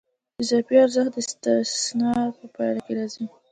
اضافي ارزښت د استثمار په پایله کې راځي